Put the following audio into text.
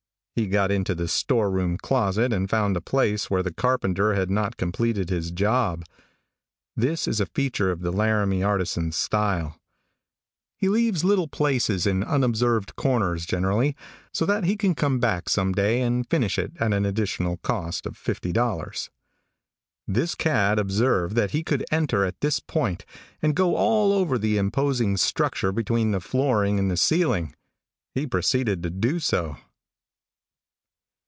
He got into the store room closet and found a place where the carpenter had not completed his job. This is a feature of the Laramie artisan's style. He leaves little places in unobserved corners generally, so that he can come back some day and finish it at an additional cost of fifty dollars. This cat observed that he could enter at this point and go all over the imposing structure between the flooring and the ceiling. He proceeded to do so.